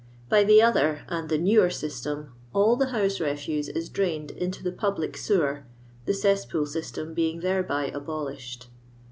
By the other, and the newer system, all the house refuse is drained into the public sewer, the cesspool system being thereby abolished.